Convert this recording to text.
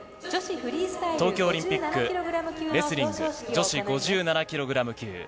東京オリンピックレスリング女子５７キログラム級。